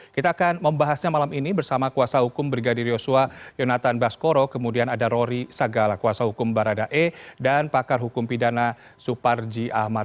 kita akan membahasnya malam ini bersama kuasa hukum brigadir yosua yonatan baskoro kemudian ada rory sagala kuasa hukum baradae dan pakar hukum pidana suparji ahmad